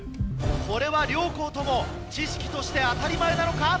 これは両校とも知識として当たり前なのか？